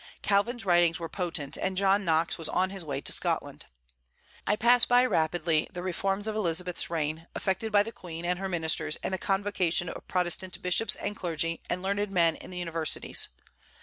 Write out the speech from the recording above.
Calvin's writings were potent, and John Knox was on his way to Scotland. I pass by rapidly the reforms of Elizabeth's reign, effected by the Queen and her ministers and the convocation of Protestant bishops and clergy and learned men in the universities.